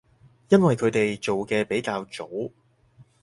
因為佢哋做嘅比較早